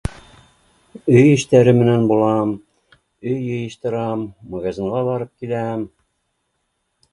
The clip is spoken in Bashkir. Өй эштәре менән булам, өй йыйыштырам, магазинға барып киләм